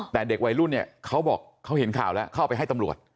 แต่เด็กวัยรุ่นเนี่ยเขาบอกเขาเห็นข่าวแล้วเข้าไปให้ตำรวจ